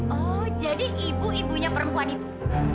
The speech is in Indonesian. oh jadi ibu ibunya perempuan itu